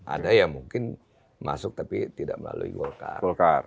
ada yang mungkin masuk tapi tidak melalui golkar